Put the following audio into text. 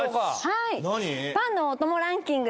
はいパンのお供ランキング